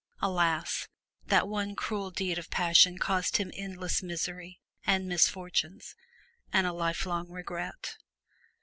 Alas! that one cruel deed of passion caused him endless miseries and misfortunes and a lifelong regret.